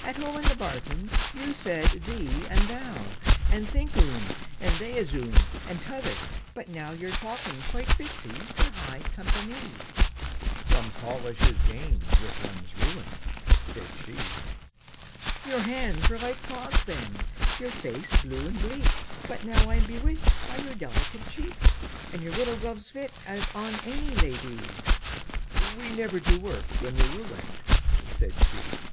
—"At home in the barton you said 'thee' and 'thou,' And 'thik oon,' and 'theäs oon,' and 't'other'; but now Your talking quite fits 'ee for high compa ny!"— "Some polish is gained with one's ruin," said she. —"Your hands were like paws then, your face blue and bleak, But now I'm bewitched by your delicate cheek, And your little gloves fit as on any la dy!"— "We never do work when we're ruined," said she.